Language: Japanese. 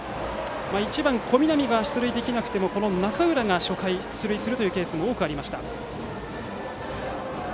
１番、小南が出塁できなくても中浦が初回出塁するケースも多くありました。